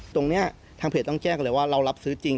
ตรงนี้ทางเพจต้องแจ้งเลยว่าเรารับซื้อจริง